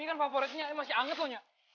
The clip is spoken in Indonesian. ini kan favoritnya masih anget loh nya